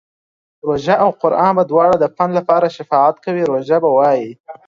روژه او قران به دواړه د بنده لپاره شفاعت کوي، روژه به وايي